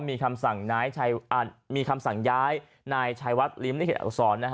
มีคำสั่งย้ายนายชายวัดลิมนิเขตอักษร